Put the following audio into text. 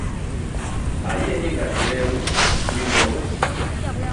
Ayie ni gach reru ringo mos